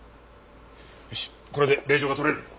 よしこれで令状が取れる。